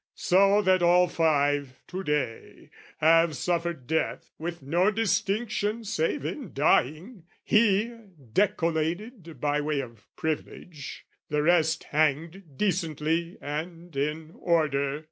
"So that all five, to day, have suffered death "With no distinction save in dying, he, "Decollated by way of privilege, "The rest hanged decently and in order.